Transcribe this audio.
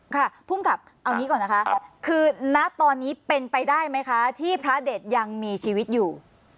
ภูมิกับเอางี้ก่อนนะคะคือณตอนนี้เป็นไปได้ไหมคะที่พระเด็ดยังมีชีวิตอยู่